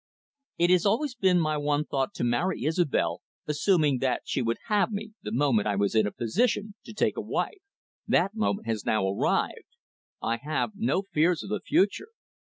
"It has always been my one thought to marry Isobel, assuming that she would have me, the moment I was in a position to take a wife. That moment has now arrived; I have no fears of the future.